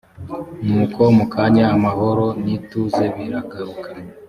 nuko mu kanya amahoro n’ituze biragaruka